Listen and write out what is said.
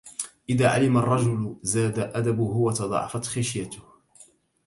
إذا علم الرّجل زاد أدبه وتضاعفت خشيته.